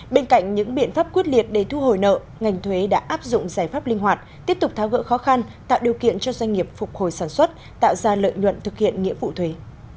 bên cạnh những biện pháp quyết liệt để thu hồi nợ ngành thuế đã áp dụng giải pháp linh hoạt tiếp tục tháo gỡ khó khăn tạo điều kiện cho doanh nghiệp phục hồi sản xuất tạo ra lợi nhuận thực hiện nghĩa vụ thuế